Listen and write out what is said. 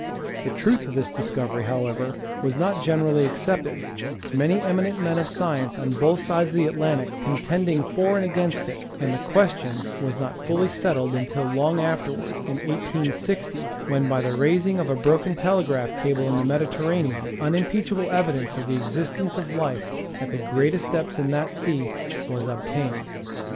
The truth of this discovery, however, was not generally accepted, many eminent men of science on both sides of the Atlantic contending for and against it, and the question was not finally settled until long afterward, in 1860, when, by the raising of a broken telegraph cable in the Mediterranean, unimpeachable evi dence of the existence of life at the greatest depths in that sea was obtained.